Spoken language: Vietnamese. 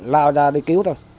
lào ra đi cứu thôi